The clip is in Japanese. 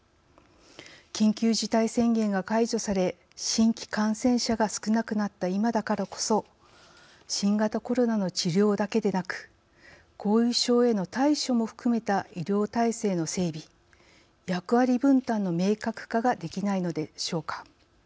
緊急事態宣言が解除され新規感染者が少なくなった今だからこそ新型コロナの治療だけでなく後遺症への対処も含めた医療体制の整備役割分担の明確化ができないのでしょうか。